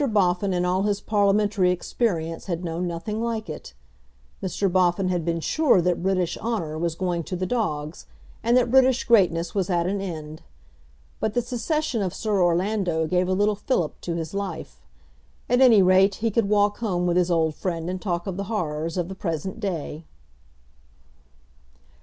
Boffin in all his parliamentary experience had known nothing like it. Mr. Boffin had been sure that British honour was going to the dogs and that British greatness was at an end. But the secession of Sir Orlando gave a little fillip to his life. At any rate he could walk home with his old friend and talk of the horrors of the present day.